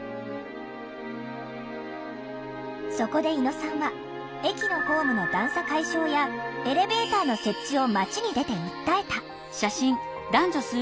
そこで猪野さんは駅のホームの段差解消やエレベーターの設置を街に出て訴えた。